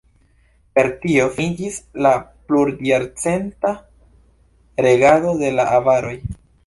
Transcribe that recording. Per tio finiĝis la plurjarcenta regado de la avaroj.